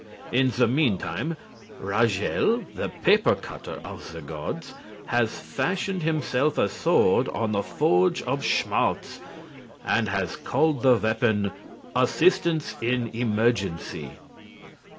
In the meantime, Ragel, the papercutter of the gods, has fashioned himself a sword on the forge of Schmalz, and has called the weapon "Assistance in Emergency."